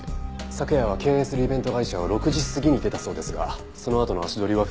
昨夜は経営するイベント会社を６時過ぎに出たそうですがそのあとの足取りは不明です。